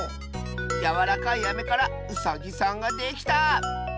やわらかいアメからウサギさんができた！